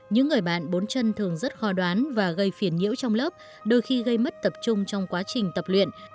những người bạn bốn chân thường rất khó đoán và gây phiền nhiễu trong lớp đôi khi gây mất tập trung trong quá trình tập luyện